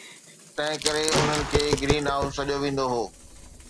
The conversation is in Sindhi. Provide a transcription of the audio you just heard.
تنهن ڪري انهن کي گرين هائوس سڏيو ويندو هو